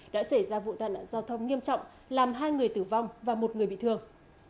đã xảy ra vụ tai nạn giao thông nghiêm trọng làm hai người tử vong và một người bị thương